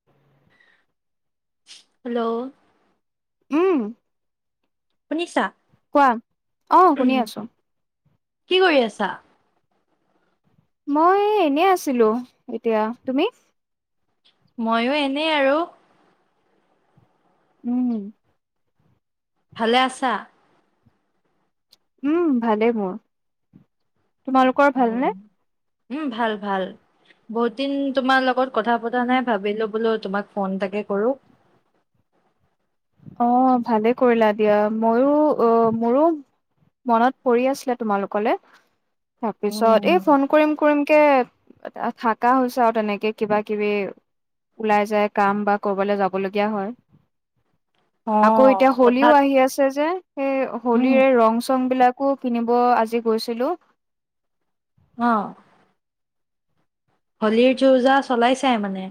[inaudible] Hello? উম। শুনিছা? কোৱা, অ', শুনি আছো। কি কৰি আছা? মই এনে আছিলো এতিয়া, তুমি? মইও এনেই আৰু। উম। ভালে আছা? উম, ভালেই মোৰ। তোমালোকৰ উ, ভালনে? উম, ভাল ভাল। বহুত দিন তোমাৰ লগত কথা পতা নাই ভাবিলো বোলো তোমাক ফোন তাকে কৰো। অ', ভালে কৰিলা দিয়া। মইও অ', মোৰো মনত পৰি আছিলে তোমালোকলে। উম, তাৰপিছত এই ফোন কৰিম কৰিম কে থকা হৈছে আৰু তেনেকে কিবা কিবি ওলাই যায় কাম বা কৰবালৈ যাব লগীয়া হয়। আকৌ এতিয়া অ', হোলীও হঠাৎ আহি আছে যে, সেই উম, হোলীৰে ৰং চং বিলাক কো কিনিব আজি গৈছিলো। অ'। হোলীৰ যো যা চলাইছাই মানে?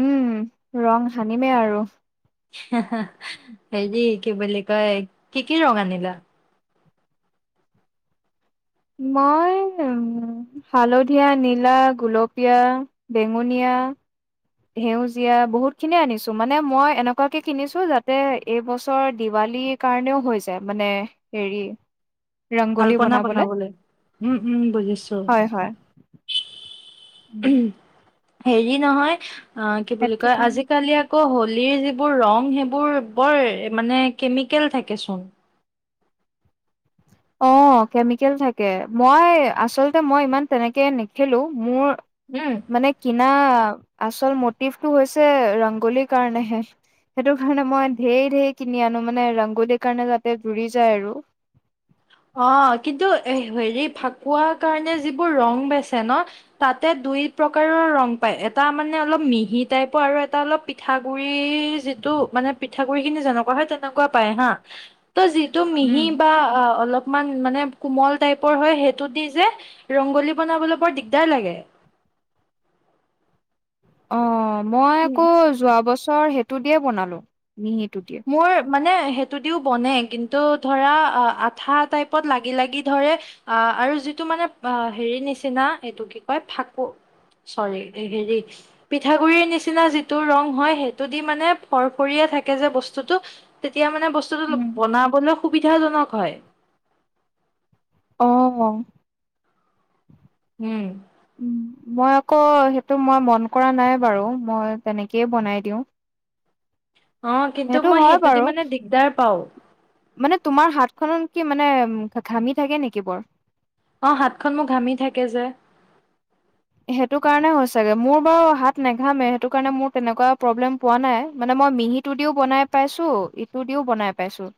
উম, ৰং সানিমে আৰু। হেৰি কি বুলি কয় কি কি ৰং আনিলা? মই উম হালধীয়া, নীলা, গুলপীয়া, বেঙুনীয়া। সেউজীয়া বহুত খিনিয়ে আনিছো মানে মই এনেকুৱাকে কিনিছো যাতে এইবছৰ দিৱালীত কাৰণেও হৈ যায় মানে হেৰি। ৰংগোলী আলপনা বনাবলে, বনাবলৈ উম, উম, বুজিছো। হয়, হয়। হেৰি নহয় অ', কি বুলি সেইটো কয় কাৰণে আজিকালি আকৌ হোলীৰ যিবোৰ ৰং সেইবোৰ বৰ মানে কেমিকেল থাকে চোন? অ', কেমিকেল থাকে। মই আচলতে মই ইমান তেনেকে নেখেলো মোৰ উম। মানে কিনা, আচল মটিভটো হৈছে ৰংগোলিৰ কাৰণেহে। সেটো কাৰণে মই ধেৰ ধেৰ কিনি আনো মানে ৰাংগলিৰ কাৰণে যাতে জুৰি যায় আৰু। অঁ কিন্তু এ হেৰি ফাকুৱাৰ কাৰণে যিবোৰ ৰং বেচে ন, তাতে দুই প্ৰকাৰৰ ৰং পায়। এটা মানে অলপ মিহি টাইপৰ আৰু এটা অলপ পি পিঠাগুৰিৰ যিটো মানে, পিঠাগুৰি খিনি যেনেকুৱা হয় তেনেকুৱা পায় হাঁ। ত' যি টো মিহি উম। বা আ' অলপ, মান মানে কোমল টাইপৰ হয় সেইটো দি যে, ৰংগলী বনাবলৈ বৰ দিগদাৰ লাগে। অঁ, মই উম আক' যোৱা বছৰ সেইটো দিয়ে বনালো মিহিটো দি। মোৰ মানে সেটোদিও বনে কিন্তু ধৰা আঠা টাইপত লাগি লাগি ধৰে। অ' আৰু যিটো মানে হেৰি নিচিনা, এইটো কি কয় ফাকু চৰি এ হেৰি পিঠাগুড়িৰ নিচিনা যিটো ৰং হয় সেইটো দি মানে ফৰফৰিয়া থাকে যে বস্ স্তুটো, তেতিয়া মানে বস্তুটো ও বনাবলৈ সুবিধাজনক হয়। অঁহ উম মই আক' সেইটো মই মন কৰা নাই বাৰু মই তেনেকেই বনাই দিওঁ। অঁ, কিন্তু সেইটো মই হয় সেটোদি বাৰু মানে দিগদাৰ পাওঁ। মানে তোমাৰ হাতখনত কি মানে, ঘাঁমি থাকে নেকি বৰ? অঁ হাতখন মোৰ ঘাঁমি থাকে যে। সেটো কাৰণে চাগে মোৰ বাৰু হাত নেঘাঁমে সেটো কাৰণে মোৰ তেনেকুৱা প্ৰব্লেম পোৱা নাই, মানে মই মিহি টো দিও বনাই পাইছো, ইটো দিও বনাই পাইছো।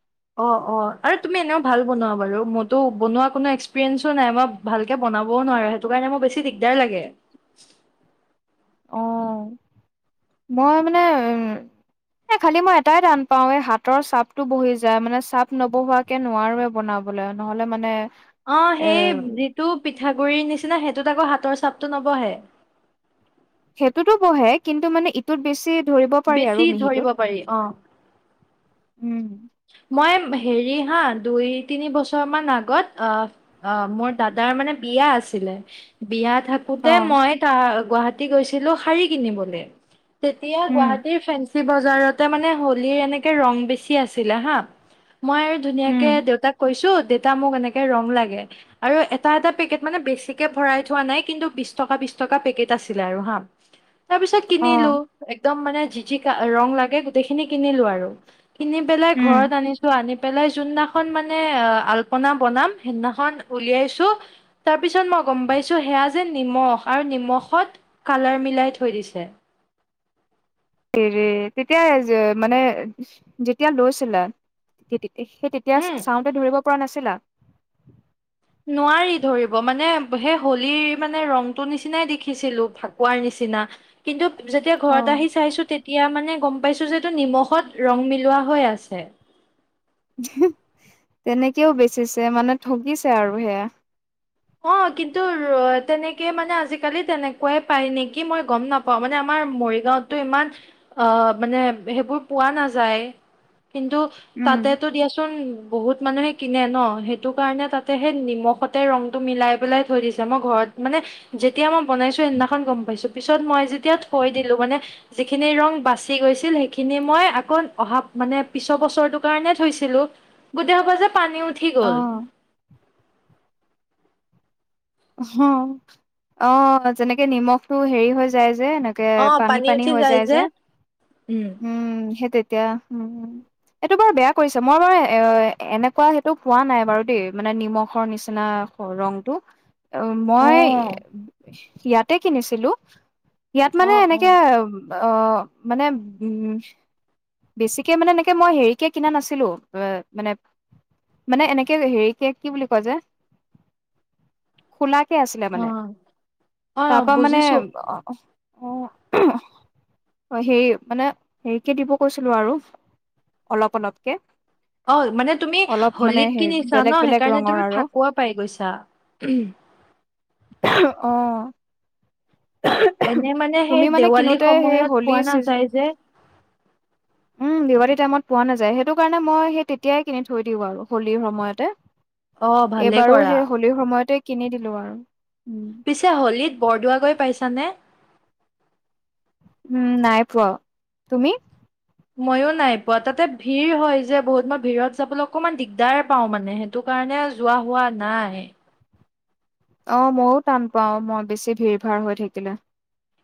অ' অ' আৰে তুমি এনেও ভাল বনোৱা বাৰু মইতো বনোৱা কোনো এক্সপিৰিয়েন্ঞ্চো নাই, মই ভালকে বনাবও নোৱাৰো, সেটো কাৰণে মোৰ বেছি দিগদাৰ লাগে। অ', [inaudible] মই মানে এ এ খালি মই এটাই টান পাওঁ, এ হাতৰ চাপতটো বহি যায় মানে চাপ নবহুৱা কে নোৱাৰোৱে বনাবলে নহ'লে মানে অঁ এ সেই যিটো পিঠাগুড়িৰ নিচিনা সেটোত আকৌ হাতৰ চাপটো নবহে। সেটোতো বহে কিন্তু মানে ইটোত বেছি ধৰিব পাৰি বেছি আৰু ধৰিব মিহিটোত। পাৰি অ উম মই হেৰি হাঁ দুই, তিনি বছৰ মান আগত অঁ অঁ মোৰ দাদাৰ মানে বিয়া আছিলে বিয়া থা কোতে অ' মই তা গুৱাহটী গৈছিলো শাৰী কিনিবলে। তেতিয়া উম গুৱাহাটীৰ ফেন চি বজাৰতে মানে হলিৰ এনেকে ৰং বেছি আছিলে হাঁ্ মই আৰু ধুনীয়াকে উম দেউতাক কৈছো, দেতা মোক এনেকে ৰং লাগে। আৰু এটা এটা পেকেট মানে বেছিকে ভৰাই থোৱা নাই, কিন্তু বিশ টকা বিশ টকা পেকেট আছিলে আৰু হাঁ। [inaudible] তাৰ পিছত কিনিলো অ' একদম মানে যি যি কা ৰং লাগে গোটেইখিনি কিনিলো আৰু কিনি পেলাই উম। ঘৰত আনিছো আনি পেলাই যোন নাখন মানে অ' আল্পনা বনাম সেদিনা খন উলিয়াইছো তাৰপিছত মই গ'ম পাইছোঁ সেয়া যে নিমখ, আৰু নিমখত কালাৰ মিলাই থৈ দিছে। হেৰে তেতিয়া এযে মানে যেতিয়া লৈছিলা। সেই তেতি সেই তেতিয়া উম চাওঁতে ধৰিব পৰা নাছিলা? নোৱাৰি ধৰিব মানে সে হলিৰ মানে ৰংটো নিচিনাই দেখিছিলো, ফাকুৱাৰ নিচিনা। কিন্তু যেতিয়া ঘৰত অ' আহি চাইছোঁ, তেতিয়া মানে, গম পাইছো যে এইটো নিমখত ৰং মিলোৱা হৈ আছেঁ। তেনেকেওঁ বেচিছে মানে ঠগিছে আৰু সেয়া। অ', কিন্তু তেনেকে মানে, আজিকালি তেনেকুৱাই পায় নেকি মই গম নাপাওঁ। প মানে, আমাৰ মৰিগাঁওতটো ইমান অ', মানে সেইবোৰ পোৱা নাযায়। কিন্তু উম তাতেটো দিয়াচোন বহুত মানুহে কিনে ন, সেইটো কাৰণে তাতে সেই নিমখতে ৰং টো মিলাই পেলাই থৈ দিছে মই ঘৰত মানে যেতিয়া মই বনাইছো সেইদিনাখন গম পাইছোঁ। পিছত মই যেতিয়া থৈ দিলো মানে যিখিনি ৰং বাচি গৈছিল সেইখিনি মই আকৌ অহা মানে, পিছৰ বছৰটোৰ কাৰণে থৈছিলোঁ। গোটেই সোপা যে পানী উঠি গ'ল। অ' অ', অ' তাত যেনেকে নিমখ টো হেৰি হৈ যায় যে এনেক পানী পানী হৈ যায় যে উম, সেই তেতিয়া হ এইটো বাৰু বেয়া কৰিছে। মই বাৰু এ এনেকুৱা সেইটো পোৱা নাই বাৰু দেই মানে নিমখৰ নিচিনা ৰংটো মই অ', ইয়াতে কিনিছিলোঁ। ইয়াত মানে অ', এনেকে অ', অ', মানে উম বেছিকে মানে এনেকে মই হেৰিকে কিনা নাছিলোঁ। অ', মানে মানে এনেকে হেৰিকে কি বুলি কয় যে খোলাকে আছিলে মানে। অ', অ', তাৰপৰা মানে বুজিছো। অ', অ' [inaudible] অ', হেৰি মানে, হেৰিকে দিব কৈছিলোঁ আৰু। অলপ অলপকে। অ', মানে তুমি অলপ মানে হলীত হে কিনিছা বেলেগ ন, বেলেগ সেইকাৰণে ৰঙৰ তুমি আৰু ফাকুৱা পাই গৈছা। অ'। এনে মানে তুমি সেই মানে দেৱালী কিনোতে সেই সময়ত হোলী পোৱা চিজন নাযায় যে। উম দেৱালী টাইমত পোৱা নাযায়। সেইটো কাৰণে মই সেই তেতিয়াই কিনি থৈ দিওঁ আৰু হোলীৰ সময়তে। অ', ভালে এইবাৰো কৰা। সেই হোলীৰ সময়তে কিনি দিলোঁ আৰু। উম। পিছে হোলীত বৰদোৱা গৈ পাইছানে? উম নাই পোৱা, তুমি? ময়ো নাইপোৱা। তাতে ভিৰ হয় যে বহুত, মই ভিৰত যাবলৈ অকণমান দিগদাৰে পাওঁ মানে। সেইটো কাৰণে যোৱা হোৱা নাই। অ', মইয়ো টান পাওঁ, মই বেছি ভিৰ-ভাৰ হৈ থাকিলে।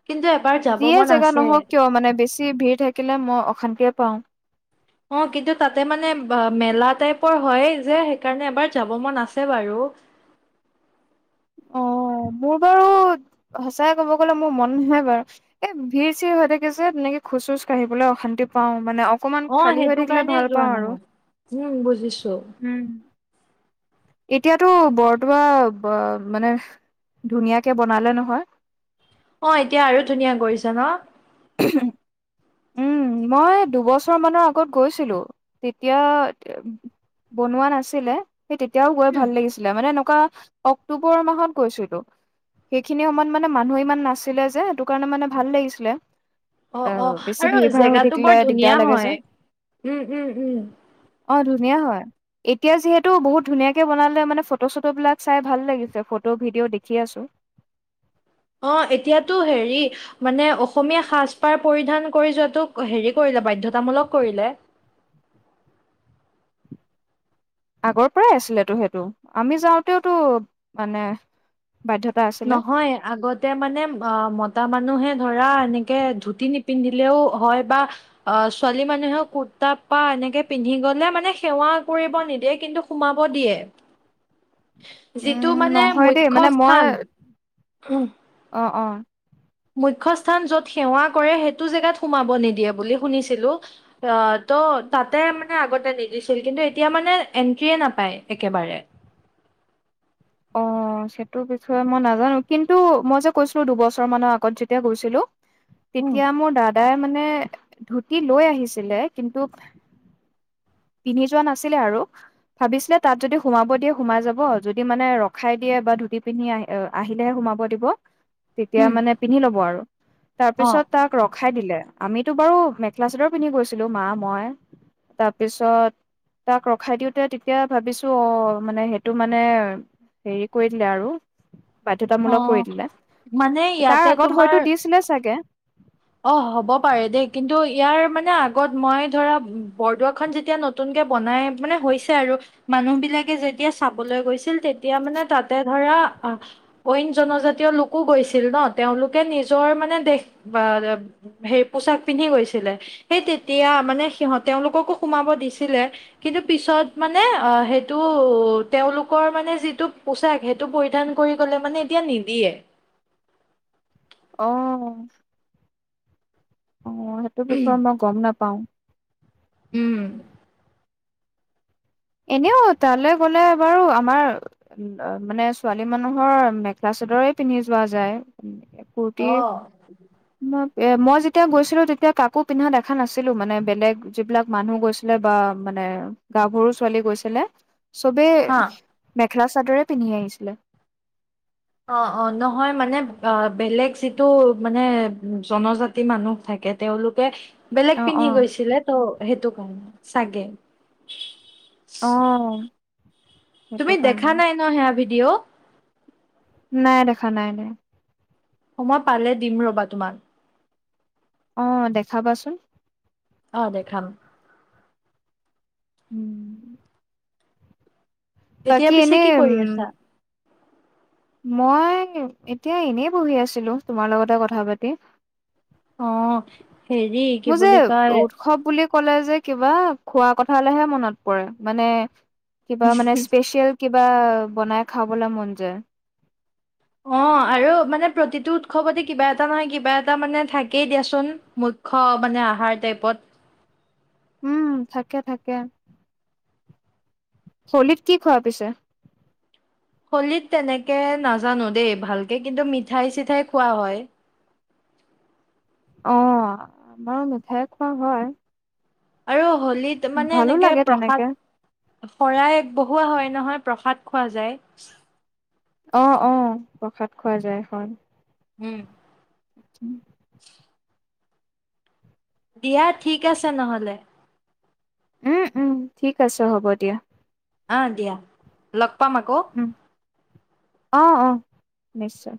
কিন্তু এবাৰ যাব যিয়ে মন জেগা আছে। নহক কিয়, মানে বেছি ভিৰ থাকিলে মই অশান্তিয়ে পাওঁ। অ', কিন্তু তাতে মানে ব মেলা টাইপৰ হয় যে, সেইকাৰণে এবাৰ যাব মন আছে বাৰু। অ', মোৰ বাৰু সঁচাই ক'ব গ'লে মোৰ মন নহয় বাৰু। এ ভিৰ-চিৰ হৈ থাকে যে, তেনেকে খোজ-চুজ কাঢ়িবলৈ অশান্তি পাওঁ মানে। অ কমান খালী হৈ সেইটো থাকিলে কাৰণে ভাল যোৱা পাওঁ আৰু। নহয়। উম, বুজিছো। উম এতিয়াতো বৰদোৱা ব মানে ধুনীয়াকে বনালে নহয়। অ', এতিয়া আৰু ধুনীয়া কৰিছে ন। উহম্ উম, মই দুবছৰ মানৰ আগত গৈছিলোঁ। তেতিয়া বনোৱা নাছিলে। সেই তেতিয়াও গৈ উম, ভাল লাগিছিলে। মানে এনেকুৱা অক্টোবৰ মাহত গৈছিলোঁ। সেইখিনি সময়ত মানে মানুহে ইমান নাছিলে যে, সেইটো কাৰণে মানে ভাল লাগিছিলে। অ অ। বেছি আৰু ভিৰ ভাৰ হৈ জেগাটো থাকিলে বৰ দিগদাৰ ধুনীয়া লাগে যে হয়। উম উম উম। অ ধুনীয়া হয়। এতিয়া যিহেতু বহুত ধুনীয়াকে বনালে মানে ফটো-চটোবিলাক চাই ভাল লাগিছে। ফটো, ভিডিঅ' দেখি আছোঁ। অ এতিয়াতো হেৰি মানে অসমীয়া সাজ-পাৰ পৰিধান কৰি যোৱাতো হেৰি কৰিলে, বাধ্যতামূলক কৰিলে। আগৰ পৰাই আছিলেতো সেইটো। আমি যাওঁতেওটো মানে বাধ্যতা আছে নহয়, আগত তে মানে অ, মতা মানুহে ধৰা এনেকে ধুতি নিপিন্ধিলেও হয় বা অ ছোৱালী মানুহে কুৰ্তা পা এনেকে পিন্ধি গ'লে মানে সেৱা কৰিব নিদিয়ে। কিন্তু সোমাব দিয়ে। যিটো উম, মানে নহয় দেই মুখ্য মানে মই স্থান হুম অ, অ। মুখ্যস্থান য'ত সেৱা কৰে, সেইটো জেগাত সোমাব নিদিয়ে বুলি শুনিছিলোঁ। অ ত' তাতে মানে আগতে নিদিছিল। কিন্তু এতিয়া মানে এন্ট্ৰিয়ে নাপায় একেবাৰে। অ সেইটো বিষয়ে মই নাজানোঁ। কিন্তু মই যে কৈছিলোঁ দুবছৰ মানৰ আগত যেতিয়া গৈছিলোঁ। [inaudible] তেতিয়া মোৰ দাদাই মানে ধুতি লৈ আহিছিলে। কিন্তু পিন্ধি যোৱা নাছিলে আৰু। ভাবিছিলে তাত যদি সোমাব দিয়ে সোমাই যাব। যদি মানে ৰখাই দিয়ে বা ধুতি পিন্ধি আহে এ আহিলেহে সোমাব দিব তেতিয়া উম মানে পিন্ধি ল'ব আৰু। তাৰ অ পিছত তাক ৰখাই দিলে আমিতো বাৰু মেখেলা চাদৰ পিন্ধি গৈছিলোঁ মা মই তাৰপিছত তাক ৰখাই দিওঁতে তেতিয়া ভাবিছোঁ অ মানে সেইটো মানে হেৰি কৰি দিলে আৰু অ বাধ্যয়তামূলক কৰি দিলে মানে তাৰ ইয়াতে আগত তোমাৰ হয়তো দিছিলে চাগে অ হ'ব পাৰে দেই কিন্তু ইয়াৰ মানে আগত মই ধৰা বৰদোৱাখন যেতিয়া নতুনকে বনাই মানে হৈছে আৰু মানুহ বিলাকে যেতিয়া চাবলৈ গৈছিল তেতিয়া মানে তাতে ধৰা আহ অইন জনজাতীয় লোকো গৈছিল ন তেওঁলোকে নিজৰ মানে দেশ বা সেই পোচাক পিন্ধি গৈছিলে সেই তেতিয়া মানে সিহত তেওঁলোককো সোমাব দিছিলে কিন্তু পিছত মানে অ সেইটো তেওঁওলোকৰ মানে যিটো পোচাক সেই টো পৰিধান কৰি গ'লে মানে এতিয়া নিদিয়ে অ অ সেইটো পিছত মই গম নাপাওঁ উম এনেও তালৈ গ'লে বাৰু আমাৰ মানে ছোৱালী মানুহৰ মেখেলা চাদৰে পিন্ধি যোৱা যায় অ ফুটিৰ ম মই যেতিয়া গৈছিলোঁ তেতিয়া কাকো পিন্ধা দেখা নাছিলোঁ মানে বেলেগ যিবিলাক মানুহ গৈছিল বা মানে গাভৰু ছোৱালী গৈছিলে চবেই হা মেখেলা চাদৰে পিন্ধি আহিছিলে। অ অ নহয় মানে অ বেলেগ যিটো মানে জনজাতি মানুহ থাকে তেওঁলোকে বেলেগ অ পিন্ধি অ গৈছিলে ত' সেইটো কাৰণে চাগে অ সেইটো তুমি দেখা কাৰণে নাই ন সেয়া ভিডিঅ' নাই দেখা, নাই, নাই। সময় পালে দিম ৰবা তোমাৰ। অ', দেখাবাচোন। অ', দেখাম। উম। এতিয়া বাকি পিছে এনে কি উম কৰি আছা? মই এতিয়া এনেই বহি আছিলো, তোমাৰ লগতে কথা পাতি। অ'। হেৰি। কি মোৰ যে বুলি কয় উৎসৱ বুলি ক'লে যে, কিবা খোৱা কথালেহে মনত পৰে, মানে কিবা মানে, স্পেচিয়েল কিবা, বনাই খাবলে মন যায়। অ', আৰু মানে প্ৰতিটো উৎসৱতে কিবা এটা নহয় কিবা এটা মানে থাকেই, দিয়াচোন ম খ মানে আহাৰ টাইপত। উম, থাকে, থাকে। হলীত, কি খোৱা পিছে? হলীত তেনেকে নাজানো দেই, ভালকে কিন্তু মিঠাই চিঠাই খোৱা হয়। অ', আমাৰো মিঠাই খোৱা হয়। আৰু হোলীত মানে ভালো এনেকে লাগে তেনেকে প্ৰসাদ। শৰাই আগ বহোৱা হয় নহয়, প্ৰসাদ খোৱা যায়। অ', অ', প্ৰসাদ খোৱা যায়, হয়। উম। উম। দিয়া, ঠিক আছে নহলে। উম, উম, ঠিক আছে হ'ব, দিয়া। অ', দিয়া, লগ পাম আকৌ। উম, অ', অ', নিশ্চয়।